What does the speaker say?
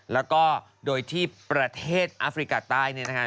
แล้วก็โดยที่ประเทศอัฟริกาใต้เนี่ยนะฮะ